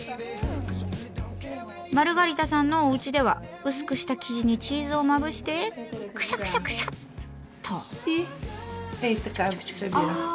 マルガリタさんのおうちでは薄くした生地にチーズをまぶしてクシャクシャクシャッと。